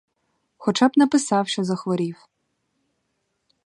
Хоча б написав, що захворів.